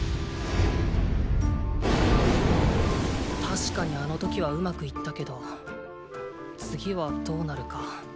確かにあの時はうまくいったけど次はどうなるか。